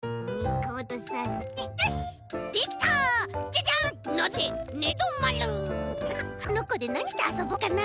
このこでなにしてあそぼっかな。